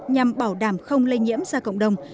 nhằm bảo đảm không lây nhiễm ra cộng đồng